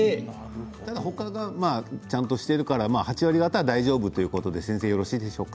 他がちゃんとしてるから８割方、大丈夫ということでよろしいでしょうか？